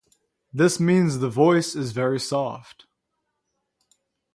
This means the voice is very soft.